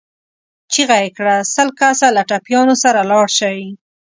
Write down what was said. چيغه يې کړه! سل کسه له ټپيانو سره لاړ شئ.